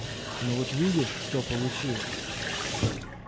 Ну вот видишь, что получилось?